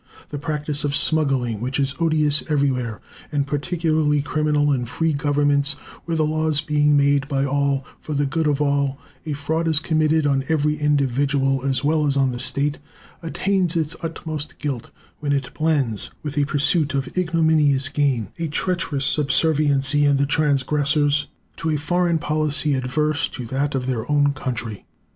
The practice of smuggling, which is odious everywhere, and particularly criminal in free governments, where, the laws being made by all for the good of all, a fraud is committed on every individual as well as on the state, attains its utmost guilt when it blends with a pursuit of ignominious gain a treacherous subserviency, in the transgressors, to a foreign policy adverse to that of their own country.